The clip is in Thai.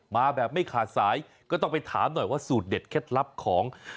มาแบบไม่ขาดสายก็ต้องไปถามหน่อยว่าสูตรเด็ดเคล็ดลับของ